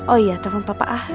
oh iya tolong papa ah